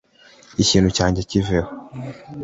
ikintu cyanjye kiveho?